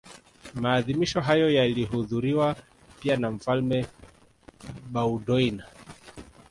Maadhimisho hayo yalihudhuriwa pia na Mfalme Baudouin